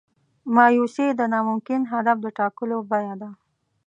مایوسي د ناممکن هدف د ټاکلو بیه ده.